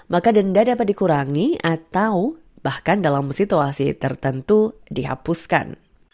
maka denda dapat dikurangi atau bahkan dalam situasi tertentu dihapuskan